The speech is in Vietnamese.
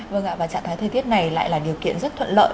vâng ạ và trạng thái thời tiết này lại là điều kiện rất thuận lợi